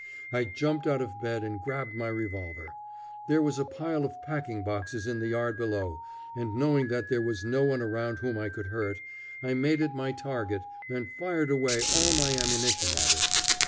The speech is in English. I jumped out of bed and grabbed my revolver. There was a pile of packing boxes in the yard below, and, knowing that there was no one around whom I could hurt, I made it my target and fired away all my ammunition at it.